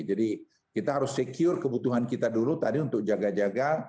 jadi kita harus secure kebutuhan kita dulu tadi untuk jaga jaga